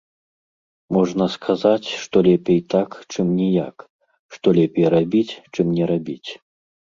Можна сказаць, што лепей так, чым ніяк, што лепей рабіць, чым не рабіць.